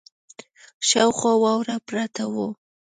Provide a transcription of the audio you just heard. شاوخوا واوره پرته وه.